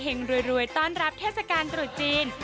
เฮ็งรวยต้อนรับท่าซาการตรูดจีน